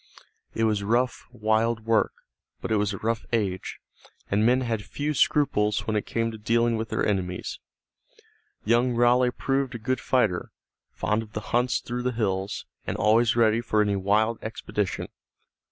It was rough, wild work, but it was a rough age, and men had few scruples when it came to dealing with their enemies. Young Raleigh proved a good fighter, fond of the hunts through the hills, and always ready for any wild expedition.